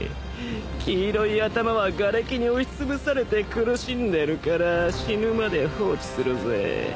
黄色い頭はがれきに押しつぶされて苦しんでるから死ぬまで放置するぜぇ。